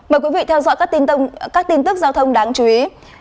mời quý vị theo dõi các tin tức giao thông đáng chú ý